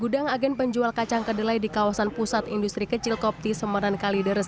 gudang agen penjual kacang kedelai di kawasan pusat industri kecil kopti semenan kali deres